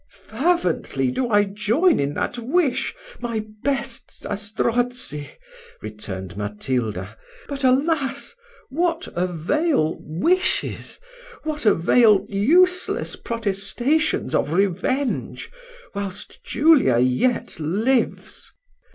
"Fervently do I join in that wish, my best Zastrozzi," returned Matilda: "but, alas! what avail wishes what avail useless protestations of revenge, whilst Julia yet lives?